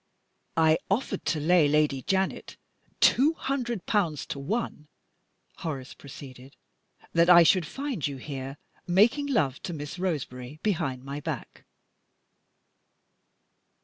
"I offered to lay Lady Janet two hundred pounds to one," Horace proceeded, "that I should find you here, making love to Miss Roseberry behind my back."